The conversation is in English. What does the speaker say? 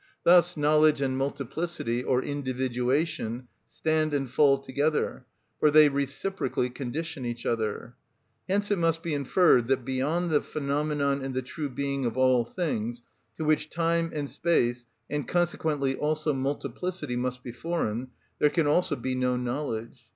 Thus knowledge and multiplicity, or individuation, stand and fall together, for they reciprocally condition each other. Hence it must be inferred that, beyond the phenomenon in the true being of all things, to which time and space, and consequently also multiplicity, must be foreign, there can also be no knowledge.